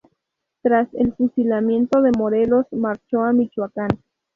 Tras el fusilamiento de Morelos, marchó a Michoacán.